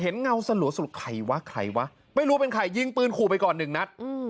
เงาสลัวสรุปใครวะใครวะไม่รู้เป็นใครยิงปืนขู่ไปก่อนหนึ่งนัด